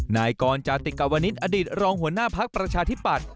นายกรณ์จติกวณิตอดีตรองหัวหน้าพักประชาธิบัตร